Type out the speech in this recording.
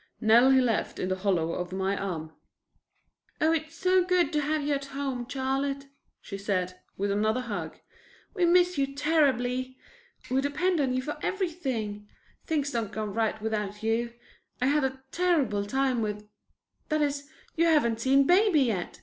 Nell he left in the hollow of my arm. "Oh, it is so good to have you at home, Charlotte," she said, with another hug. "We miss you terribly. We depend on you for everything. Things don't go right without you. I had a terrible time with that is, you haven't seen baby yet.